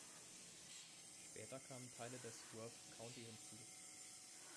Später kamen Teile des Worth County hinzu.